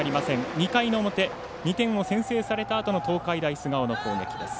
２回の表２点を先制されたあとの東海大菅生の攻撃です。